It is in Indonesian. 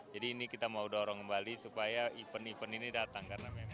jadi ini kita mau dorong kembali supaya event event ini datang